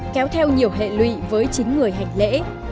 kéo theo nhiều hệ lụy với chính người hành lễ